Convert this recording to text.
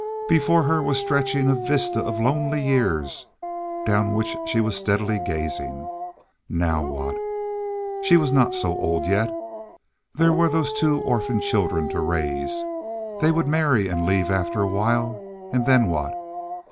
Before her was stretching a vista of lonely years down which she was steadily gazing. Now what? She was not so old yet. There were those two orphan children to raise. They would marry and leave after a while, and then what?